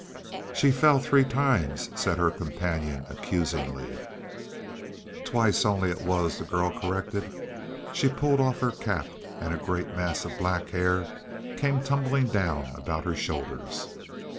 "She fell three times," said her companion accusingly. "Twice only, it was," the girl corrected. She pulled off her cap, and a great mass of black hair came tumbling down about her shoulders.